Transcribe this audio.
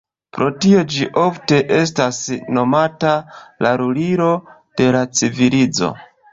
Pro tio ĝi ofte estas nomata la "lulilo de la civilizo".